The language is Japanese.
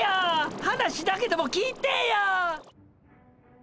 話だけでも聞いてぇや！